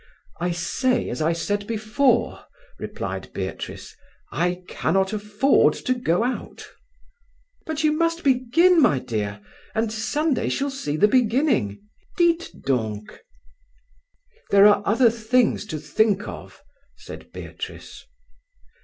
"I say, as I said before," replied Beatrice: "I cannot afford to go out." "But you must begin, my dear, and Sunday shall see the beginning. Dîtes donc!" "There are other things to think of," said Beatrice.